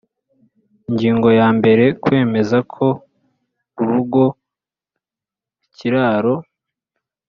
Ingingo ya mbere Kwemeza ko urugo ikiraro